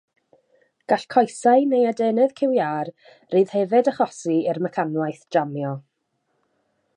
Gall coesau neu adenydd cyw iâr rydd hefyd achosi i'r mecanwaith jamio.